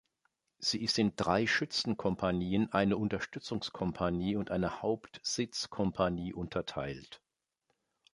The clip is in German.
Sie ist in drei Schützenkompanien, eine Unterstützungskompanie und eine Hauptsitzkompanie unterteilt.